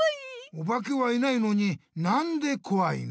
おばけはいないのになんでこわいの？